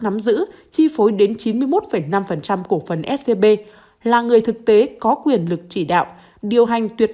nắm giữ chi phối đến chín mươi một năm cổ phần scb là người thực tế có quyền lực chỉ đạo điều hành tuyệt